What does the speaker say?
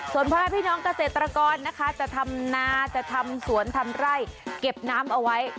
ส่วนพ่อแม่พี่น้องเกษตรกรนะคะจะทำนาจะทำสวนทำไร่เก็บน้ำเอาไว้